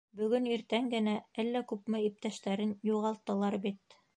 Бөгөн иртән генә әллә күпме иптәштәрен юғалттылар бит.